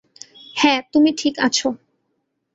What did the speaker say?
হ্যাঁ, তুমি ঠিক আছ।